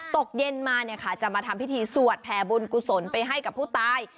ตกเย็นมาเนี่ยค่ะจะมาทำพิธีสวดแผ่บุญกุศลไปให้กับผู้ตาย